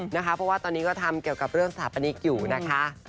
เพราะว่าตอนนี้ก็ทำเกี่ยวกับเรื่องสถาปนิกอยู่นะคะ